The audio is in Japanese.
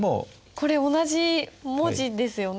これ同じ文字ですよね？